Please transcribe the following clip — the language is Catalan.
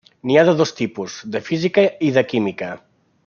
N'hi ha de dos tipus: de física i de química.